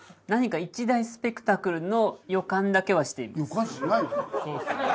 何か一大スペクタクルの予感だけはしています。